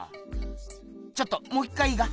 ちょっともう一回いいか？